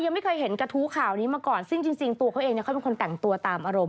ยายาเป็นนางเอกแอบแบ๊วแอบทำนม